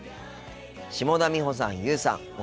下田美穂さん優羽さん